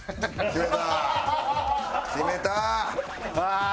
決めた！